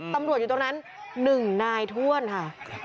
ตำรวจอยู่ตรงนั้นหนึ่งนายถ้วนค่ะ